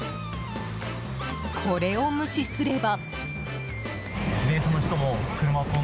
これを無視すれば。